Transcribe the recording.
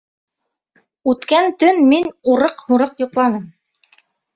Үткән төн мин урыҡ-һурыҡ йоҡланым